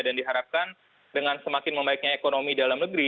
dan diharapkan dengan semakin membaiknya ekonomi dalam negeri